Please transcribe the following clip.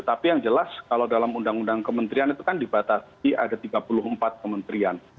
tapi yang jelas kalau dalam undang undang kementerian itu kan dibatasi ada tiga puluh empat kementerian